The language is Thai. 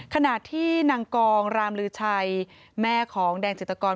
ขณะที่นางกองรามลือชัยแม่ของแดงจิตกร